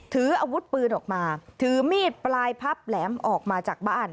ถืออาวุธปืนออกมาถือมีดปลายพับแหลมออกมาจากบ้าน